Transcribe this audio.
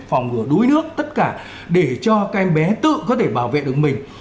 phòng ngừa đuối nước tất cả để cho cái bé tự có thể bảo vệ được mình